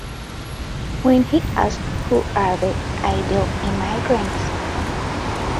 When asked who are the ideal immigrants?